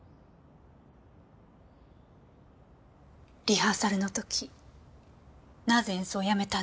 リハーサルの時なぜ演奏をやめたんですか？